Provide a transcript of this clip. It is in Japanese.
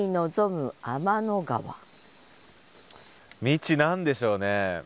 「未知」何でしょうね？